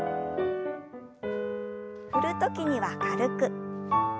振る時には軽く。